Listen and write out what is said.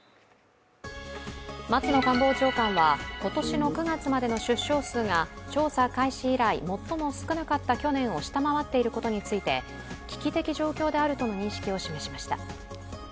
松野官房長官は今年の９月までの出生数が調査開始以来、最も少なかった去年を下回っていることについて危機的状況であるとの認識を示しました。